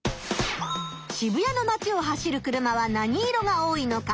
渋谷のまちを走る車は何色が多いのか？